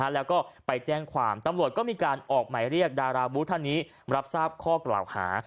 แล้วก็ไปแจ้งความตำรวจก็มีการออกหมายเรียกดาราบูธท่านนี้รับทราบข้อกล่าวหา